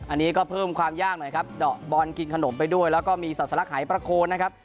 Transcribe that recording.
อันนี้ก็เพิ่มความยากหน่อยครับเดาะบอลกินขนมไปด้วยแล้วก็มีศาสลักหายประโคนนะครับ